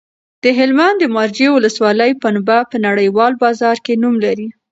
د هلمند د مارجې ولسوالۍ پنبه په نړیوال بازار کې نوم لري.